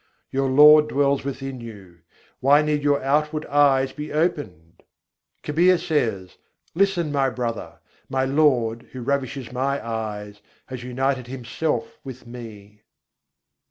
Your Lord dwells within you: why need your outward eyes be opened? Kabîr says: "Listen, my brother! my Lord, who ravishes my eyes, has united Himself with me."